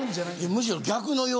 むしろ。